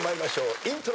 イントロ。